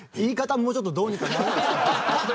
もうちょっとどうにかならないですか。